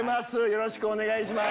よろしくお願いします。